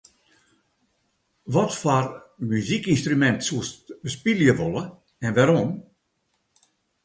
Watfoar muzykynstrumint soest bespylje wolle en wêrom?